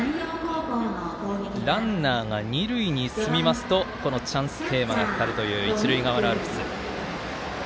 ランナーが二塁に進みますとチャンステーマがかかるという一塁側のアルプス。